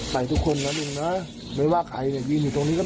ไปทุกคนนะลุงนะไม่ว่าใครอยู่ที่ตรงนี้ก็ต้องไหลดัง